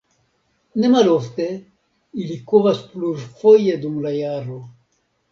Ne malofte ili kovas plurfoje dum la jaro.